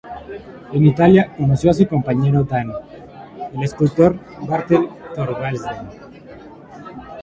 En Italia conoció a su compañero Dane, el escultor Bertel Thorvaldsen.